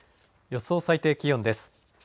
予想最低気温です。